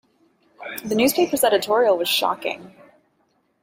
The newspaper's editorial was shocking.